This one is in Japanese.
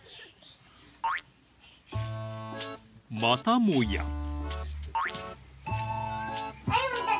［またもや］